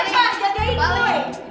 rempa jagain dulu